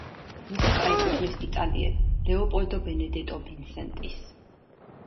მუსიკა ეკუთვნის იტალიელ ლეოპოლდო ბენედეტო ვინსენტის.